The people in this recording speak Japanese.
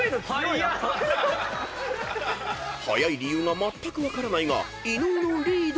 ［速い理由がまったく分からないが伊野尾のリード］